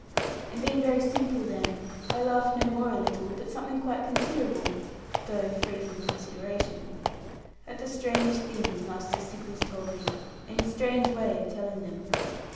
And being very simple then I laughed no more a little, but something quite considerable (though free from consideration) at the strange things Master Stickles told me, and his strange way of telling them.